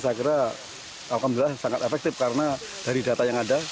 saya kira alhamdulillah sangat efektif karena dari data yang ada